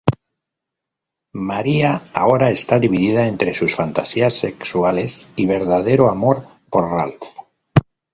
María ahora está dividida entre sus fantasías sexuales y verdadero amor por Ralf.